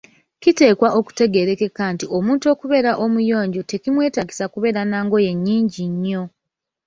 Kiteekwa okutegeerekeka nti omuntu okubeera omuyonjo tekimwetaagisa kubeera na ngoye nnyingi nnyo.